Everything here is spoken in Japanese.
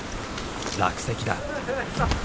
落石だ。